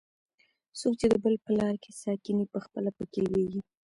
څوک چې د بل په لار کې څا کیني؛ پخپله په کې لوېږي.